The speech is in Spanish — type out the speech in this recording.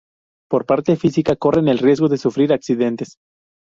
Por parte física, corren el riesgo de sufrir accidentes.